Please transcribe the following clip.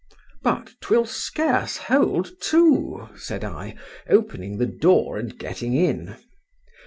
—But 'twill scarce hold two, said I, opening the door and getting in.